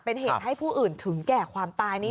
เป็นเหตุให้ผู้อื่นถึงแก่ความตายนี้